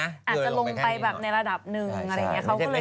อาจจะลงไปแบบในระดับหนึ่งอะไรอย่างนี้